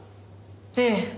ええ。